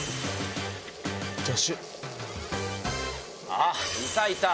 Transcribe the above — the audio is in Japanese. あっいたいた。